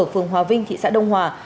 ở phường hòa vinh thị xã đông hòa